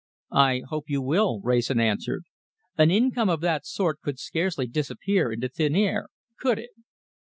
"I hope you will," Wrayson answered. "An income of that sort could scarcely disappear into thin air, could it?